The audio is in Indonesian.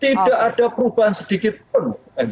tidak ada perubahan sedikit pun